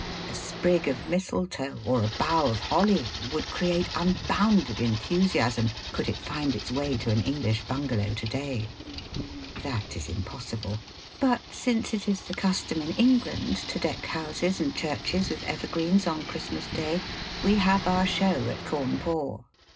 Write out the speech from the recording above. ,A sprig of mistletoe or a bough of holly would create unbounded enthusiasm could it find its way to an Enghsh bungalow to day. That is impossible. But since it is the custom in England to deck houses and churches with evergreens on Christmas Day, we have our Digitized by VjOOQIC 262 EAST BY WEST. show at Cawnpore.